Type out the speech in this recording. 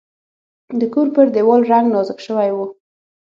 د کور پر دیوال رنګ نازک شوی و.